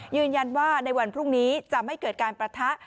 ยืนยันว่าในวันพรุ่งนี้จะไม่เกิดการประทะ